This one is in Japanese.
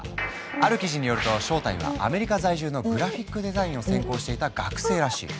ある記事によると正体はアメリカ在住のグラフィックデザインを専攻していた学生らしい。